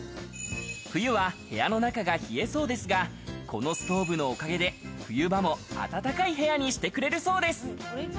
冬は部屋の中が冷えそうですが、このストーブのおかげで冬場も暖かい部屋にしてくれるそうです。